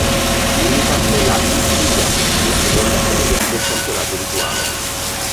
Milita nella "I Lyga", la seconda serie del campionato lituano.